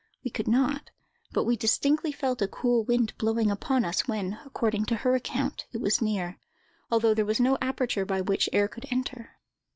We could not; but we distinctly felt a cool wind blowing upon us when, according to her account, it was near, although there was no aperture by which air could enter."